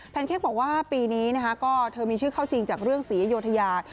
เค้กบอกว่าปีนี้นะคะก็เธอมีชื่อเข้าจริงจากเรื่องศรีอยุธยา